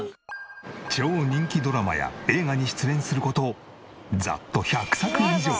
超人気ドラマや映画に出演する事ざっと１００作以上。